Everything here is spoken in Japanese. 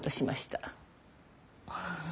ああ。